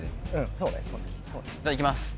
そうねじゃあいきます